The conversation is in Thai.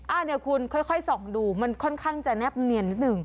อันนี้คุณค่อยส่องดูมันค่อนข้างจะแนบเนียนนิดหนึ่ง